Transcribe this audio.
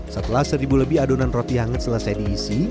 setelah seribu lebih adonan roti hangat selesai diisi